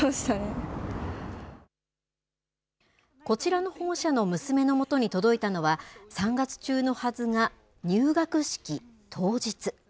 こちらの保護者の娘のもとに届いたのは、３月中のはずが、入学式当日。